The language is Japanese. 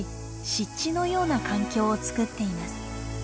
湿地のような環境をつくっています。